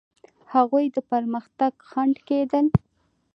هغوی د پرمختګ خنډ کېدل.